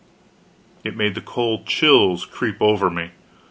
It made the cold chills creep over me!